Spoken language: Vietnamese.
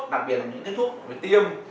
đặc biệt là những cái thuốc tiêm